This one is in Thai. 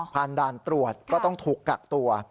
ด่านตรวจก็ต้องถูกกักตัว